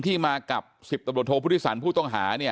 ที่มากับสิบตบลโทษพุทธิสันผู้ต้องหาเนี่ย